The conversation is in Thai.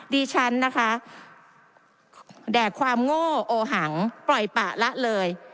ดิฉันนะคะแดกความโง่โอหังปล่อยปะละเลย